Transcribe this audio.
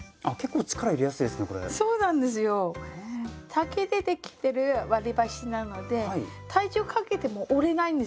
竹でできてる割り箸なので体重かけても折れないんですよ。